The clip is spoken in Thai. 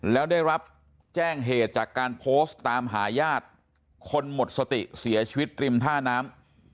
แล้วได้รับแจ้งเหตุจากการโพสต์ตามหาญาติคนหมดสติเสียชีวิตริมท่าน้ำ